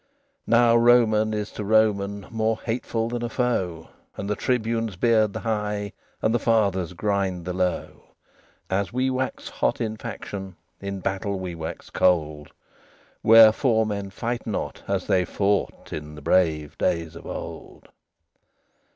XXXIII Now Roman is to Roman More hateful than a foe, And the Tribunes beard the high, And the Fathers grind the low. As we wax hot in faction, In battle we wax cold: Wherefore men fight not as they fought In the brave days of old.